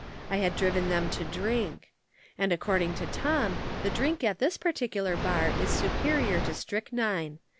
I had driven them to drink. And according to Tom the drink at this particular bar is superior to strychnine.